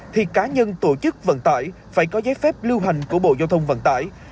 thì cá nhân tổ chức vận tải phải có giấy phép lưu hành của bộ giao thông vận tải